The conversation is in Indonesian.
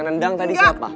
gak nendang tadi siapa